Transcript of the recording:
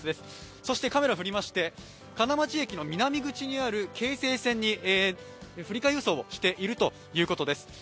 そしてカメラ降りまして、金町駅南口にある京成線に振り替え輸送をしているということです。